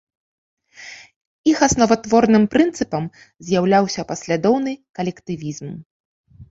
Іх асноватворным прынцыпам з'яўляўся паслядоўны калектывізм.